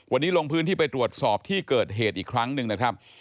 วันนี้ลงพื้นที่ไปตรวจสอบที่เกิดเหตุอีกครั้งหนึ่งนะครับ